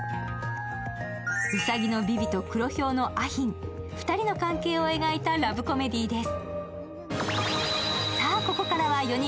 ウサギのビビと黒ヒョウのアヒン、２人の関係を描いたラブコメディーです。